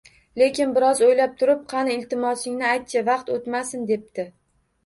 Lekin biroz o‘ylab turib, qani, iltimosingni ayt-chi, vaqt o‘tmasin, debdi